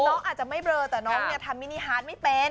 น้องอาจจะไม่เบลอแต่น้องเนี่ยทำมินิฮาร์ดไม่เป็น